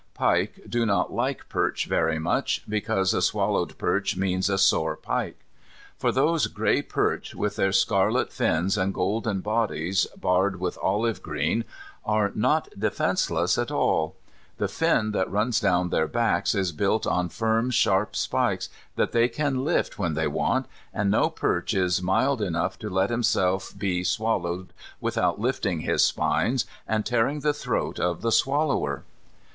Pike do not like perch very much, because a swallowed perch means a sore pike. For those gay perch with their scarlet fins and golden bodies barred with olive green are not defenceless at all. The fin that runs down their backs is built on firm, sharp spikes that they can lift when they want, and no perch is mild enough to let himself be swallowed without lifting his spines and tearing the throat of the swallower.